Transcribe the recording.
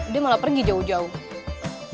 dia malah pergi jauh jauh